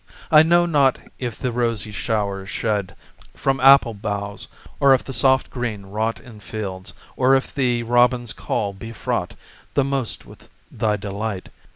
I know not if the rosy showers shed From apple boughs, or if the soft green wrought In fields, or if the robin's call be fraught The most with thy delight.